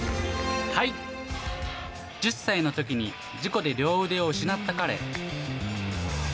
はい、１０歳のときに事故で両腕を失った彼。